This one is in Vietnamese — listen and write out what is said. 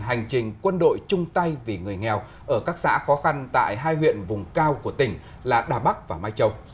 hành trình quân đội chung tay vì người nghèo ở các xã khó khăn tại hai huyện vùng cao của tỉnh là đà bắc và mai châu